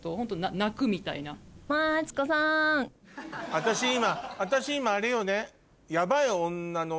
私今私今あれよね？